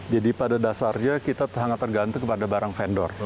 jadi pada dasarnya kita sangat tergantung kepada barang vendor